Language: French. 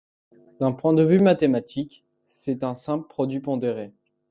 D'un point de vue mathématique, c'est un simple produit pondéré.